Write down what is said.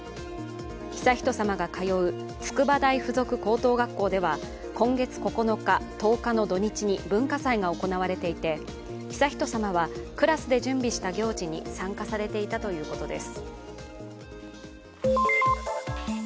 悠仁さまが通う筑波大付属高等学校では今月９日、１０日の土日に文化祭が行われていて悠仁さまはクラスで準備した行事に参加されていたということです。